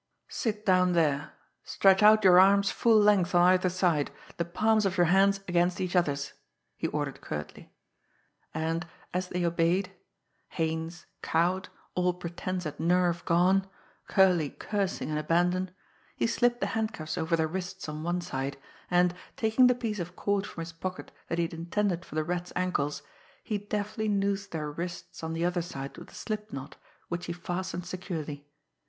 "Sit down there, stretch out your arms full length on either side, the palms of your hands against each other's!" he ordered curtly; and, as they obeyed Haines, cowed, all pretence at nerve gone, Curley cursing in abandon he slipped the handcuffs over their wrists on one side, and, taking the piece of cord from his pocket that he had intended for the Rat's ankles, he deftly noosed their wrists on the other side with a slip knot, which he fastened securely.